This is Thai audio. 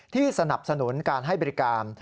สนับสนุนการให้บริการ